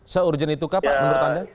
se urgent itukah pak menurut anda